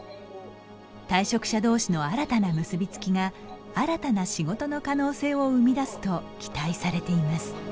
退職者どうしの新たな結び付きが新たな仕事の可能性を生み出すと期待されています。